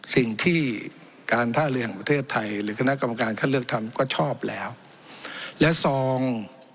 สิ่งที่การท่าเรือแห่งประเทศไทยหรือคณะกรรมการคัดเลือกทำก็ชอบแล้วและซอง